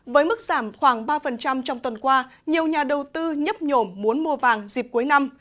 với mức giảm khoảng ba trong tuần qua nhiều nhà đầu tư nhấp nhổm muốn mua vàng dịp cuối năm